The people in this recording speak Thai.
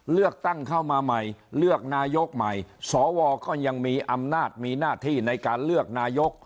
เลือกตั้งเข้ามาใหม่เลือกนายกใหม่สวก็ยังมีอำนาจมีหน้าที่ในการเลือกนายก